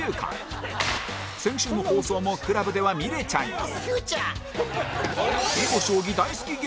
先週の放送も ＣＬＵＢ では見れちゃいます